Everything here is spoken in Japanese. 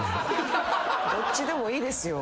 どっちでもいいですよ。